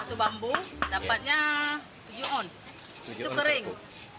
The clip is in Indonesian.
satu bambu dapatnya tujuh on itu kering